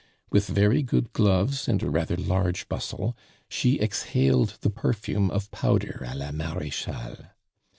With very good gloves and a rather large bustle, she exhaled the perfume of powder a la Marechale.